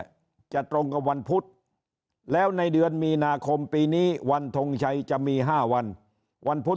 จะตรงกับวันพุธแล้วในเดือนมีนาคมปีนี้วันทงชัยจะมี๕วันวันพุธ